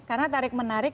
karena tarik menarik